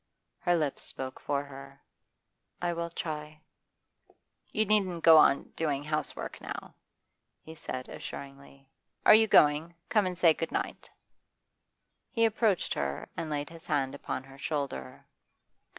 Her lips spoke for her. 'I will try.' 'You needn't go on doing housework now,' he said assuringly. 'Are you going? Come and say good night.' He approached her and laid his hand upon her shoulder.